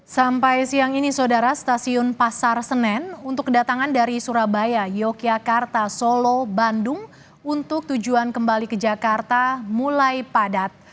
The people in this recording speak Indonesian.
sampai siang ini saudara stasiun pasar senen untuk kedatangan dari surabaya yogyakarta solo bandung untuk tujuan kembali ke jakarta mulai padat